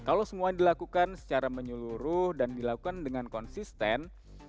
kalau semua dilakukan secara menyeluruh dan dilakukan dengan konsisten